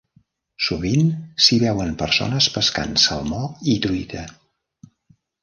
Sovint s'hi veuen persones pescant salmó i truita.